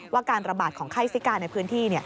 การระบาดของไข้ซิกาในพื้นที่